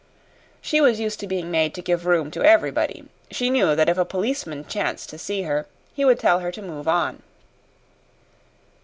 She was used to being made to give room to everybody. She knew that if a policeman chanced to see her he would tell her to "move on."